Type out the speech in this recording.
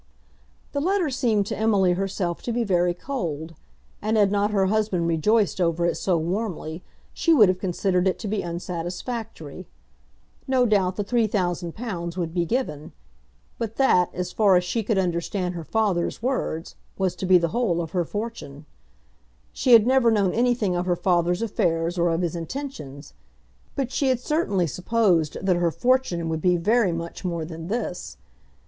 The letter seemed to Emily herself to be very cold, and had not her husband rejoiced over it so warmly she would have considered it to be unsatisfactory. No doubt the £3000 would be given; but that, as far as she could understand her father's words, was to be the whole of her fortune. She had never known anything of her father's affairs or of his intentions, but she had certainly supposed that her fortune would be very much more than this.